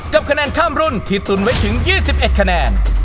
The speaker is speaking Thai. กับคะแนนข้ามรุ่นที่ตุนไว้ถึง๒๑คะแนน